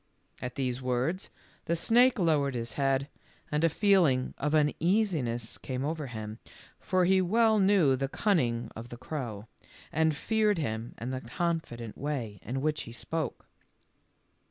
At these words the snake lowered his head, and a feeling of uneasiness came over him, for he well knew the cunning of the crow, and feared him and the confident way in which he spoke.